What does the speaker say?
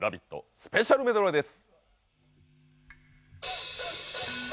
スペシャルメドレーです。